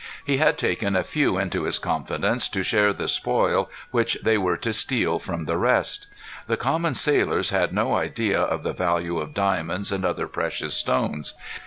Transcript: He had taken a few into his confidence to share the spoil which they were to steal from the rest. The common sailors had no idea of the value of diamonds and other precious stones.